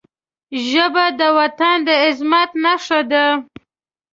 ژبه د وطن د عظمت نښه ده